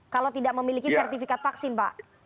kalau tidak memiliki sertifikat vaksin pak